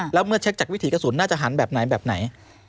แล้วเมื่อเช็คจากวิถีกระสุนน่าจะหันแบบไหนแบบไหน